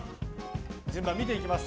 順番、見ていきます。